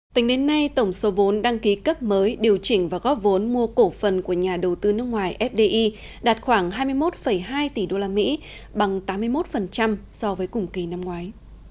tính đến nay tổng số vốn đăng ký cấp mới điều chỉnh và góp vốn mua cổ phần của nhà đầu tư nước ngoài fdi đạt khoảng hai mươi một hai tỷ usd bằng tám mươi một so với cùng kỳ năm ngoái